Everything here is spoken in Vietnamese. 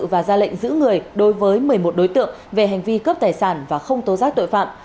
và ra lệnh giữ người đối với một mươi một đối tượng về hành vi cướp tài sản và không tố giác tội phạm